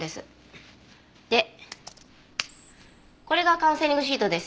でこれがカウンセリングシートです。